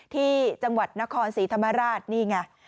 ที่จังหวัดนครศรีธรรมราชนี่ไง